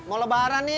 mau lebaran nih